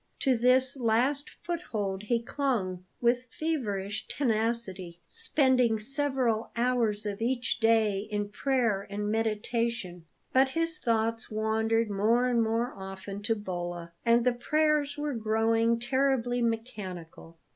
To this last foothold he clung with feverish tenacity, spending several hours of each day in prayer and meditation; but his thoughts wandered more and more often to Bolla, and the prayers were growing terribly mechanical.